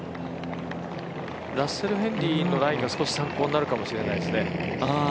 ラッセル・ヘンリーのラインが少し参考になるかもしれないですね。